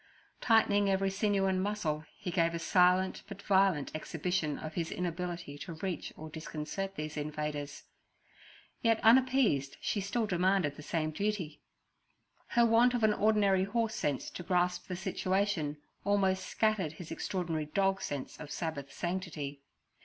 Tightening every sinew and muscle, he gave a silent but violent exhibition of his inability to reach or disconcert these invaders; yet unappeased, she still demanded the same duty. Her want of ordinary horse sense to grasp the situation almost scattered his extraordinary dog sense of Sabbath sanctity.